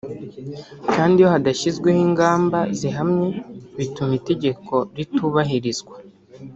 kandi iyo hadashyizweho ingamba zihamye bituma itegeko ritubahirizwa